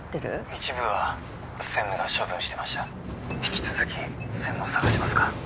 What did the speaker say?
☎一部は専務が処分してました☎引き続き専務を捜しますか？